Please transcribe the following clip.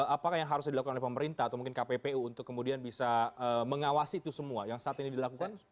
apakah yang harus dilakukan oleh pemerintah atau mungkin kppu untuk kemudian bisa mengawasi itu semua yang saat ini dilakukan